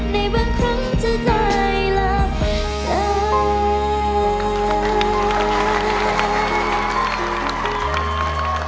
ในบางครั้งจะได้รับใจ